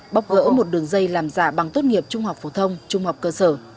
bóc gỡ một đường dây làm giả bằng tốt nghiệp trung học phổ thông trung học cơ sở